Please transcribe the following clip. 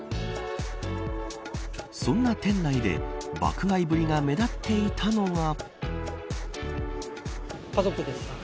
そんな店内で爆買いぶりが目立っていたのが。